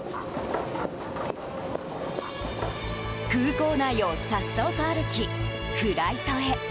空港内をさっそうと歩きフライトへ。